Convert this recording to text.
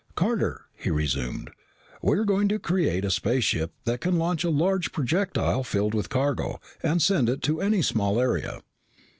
"Carter," he resumed, "we are going to create a spaceship that can launch a large projectile filled with cargo and send it to any small area."